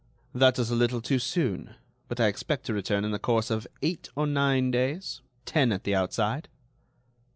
"That is a little too soon, but I expect to return in the course of eight or nine days—ten at the outside."